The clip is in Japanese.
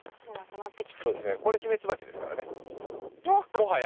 もはや。